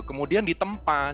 kemudian di tempat